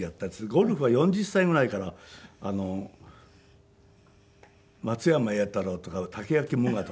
ゴルフは４０歳ぐらいから松山英太郎とか竹脇無我とかね。